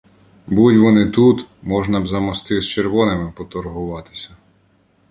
Будь вони тут — можна б за мости з червоними поторгуватися.